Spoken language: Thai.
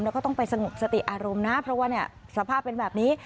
แล้วก็ต้องไปสงบสติอารมณ์นะเพราะว่าเนี่ยสภาพเป็นแบบนี้